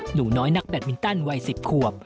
หนูน้อยนักแบตมินตันวัย๑๐ขวบ